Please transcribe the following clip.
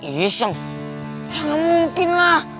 iseng ya nggak mungkin lah